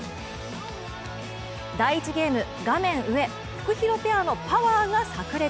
第１ゲーム、画面上、フクヒロペアのパワーがさく裂。